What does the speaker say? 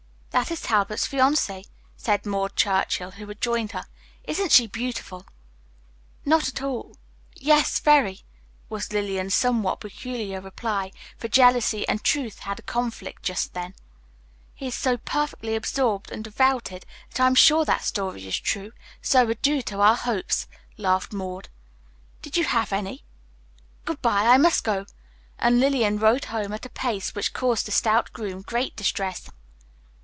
"That is Talbot's fiancee," said Maud Churchill, who had joined her. "Isn't she beautiful?" "Not at all yes, very," was Lillian's somewhat peculiar reply, for jealousy and truth had a conflict just then. "He's so perfectly absorbed and devoted that I am sure that story is true, so adieu to our hopes," laughed Maud. "Did you have any? Good bye, I must go." And Lillian rode home at a pace which caused the stout groom great distress.